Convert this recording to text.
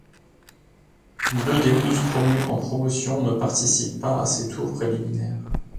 Deux des douze promus en Promotion ne participent pas à ces tours préliminaires.